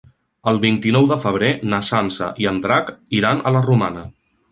El vint-i-nou de febrer na Sança i en Drac iran a la Romana.